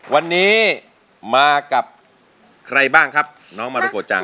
วันนี้มากับใครบ้างครับน้องมารุโกจัง